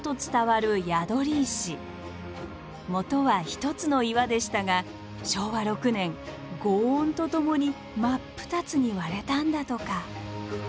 もとは一つの岩でしたが昭和６年轟音とともに真っ二つに割れたんだとか。